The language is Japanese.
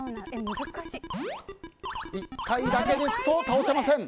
１回だけですと倒せません。